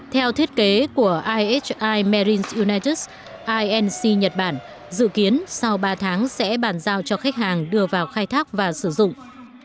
theo thiết kế của ihi marines united inc nhật bản dự kiến sau ba tháng sẽ bàn giao cho khách hàng đưa vào khai thác và sử dụng